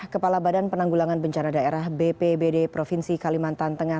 kepala badan penanggulangan bencana daerah bpbd provinsi kalimantan tengah